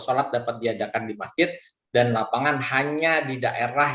sholat dapat diadakan di masjid dan lapangan hanya di daerah